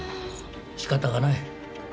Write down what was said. しかたがない。